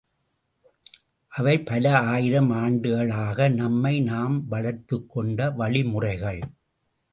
அவை பல ஆயிரம் ஆண்டுகளாக நம்மை நாம் வளர்த்துக் கொண்ட வழிமுறைகள்.